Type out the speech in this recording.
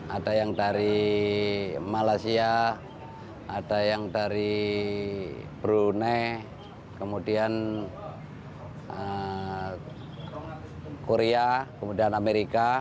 ada yang dari malaysia ada yang dari brunei kemudian korea kemudian amerika